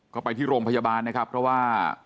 ก็ไปที่โรงพยาบาลนะครับเพราะว่า